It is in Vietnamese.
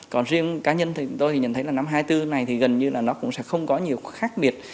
còn riêng cá nhân thì chúng tôi thì nhận thấy là năm hai nghìn hai mươi bốn này thì gần như là nó cũng sẽ không có nhiều khác biệt